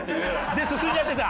で進んじゃってた？